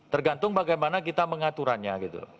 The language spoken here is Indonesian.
tergantung bagaimana kita mengaturannya gitu